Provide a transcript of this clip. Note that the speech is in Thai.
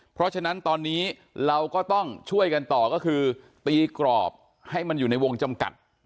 เพราะฉะนั้นตอนนี้เราก็ต้องช่วยกันต่อก็คือตีกรอบให้มันอยู่ในวงจำกัด